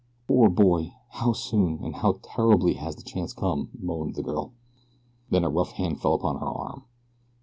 "Poor boy! How soon, and how terribly has the chance come!" moaned the girl. Then a rough hand fell upon her arm.